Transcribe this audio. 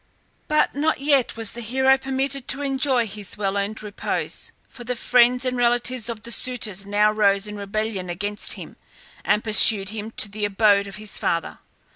But not yet was the hero permitted to enjoy his well earned repose, for the friends and relatives of the suitors now rose in rebellion against him and pursued him to the abode of his father.